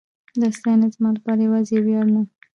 دا ستاینه زما لپاره یواځې یو ویاړ نه